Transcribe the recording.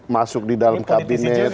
masuk di dalam kabinet